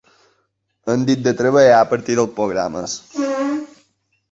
Hem dit de treballar a partir dels programes.